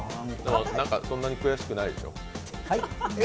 そんなに悔しくないでしょ？